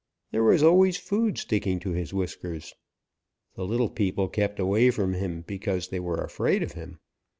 There was always food sticking to his whiskers. The little people kept away from him because they were afraid of him.